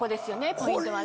ポイントはね。